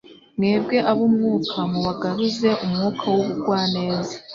«Mwebwe ab'umwuka, mubagaruze umwuka w'ubugwaneza.»